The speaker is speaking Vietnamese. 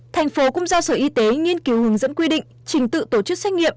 thành phố cũng giao sở y tế nghiên cứu hướng dẫn quy định trình tự tổ chức xét nghiệm